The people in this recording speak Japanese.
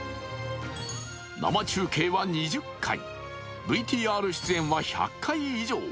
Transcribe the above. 生中継は２０回、ＶＴＲ出演は１００回以上。